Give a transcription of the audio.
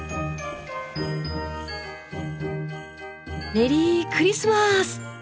メリークリスマス！